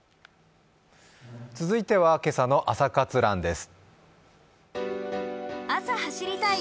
続いては今朝の「朝活ＲＵＮ」です。